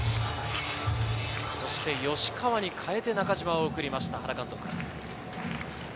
吉川に代えて中島を送りました、原監督。